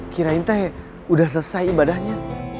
kirain teh udah selesai ibadahnya